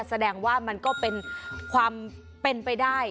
แสดงว่ามันก็เป็นความเป็นไปได้